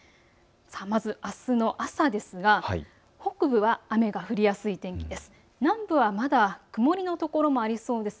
あすの朝ですが北部は雨が降りやすい天気です。